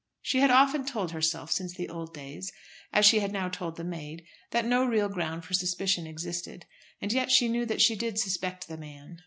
She had often told herself, since the old days, as she had now told the maid, that no real ground for suspicion existed; and yet she knew that she did suspect the man.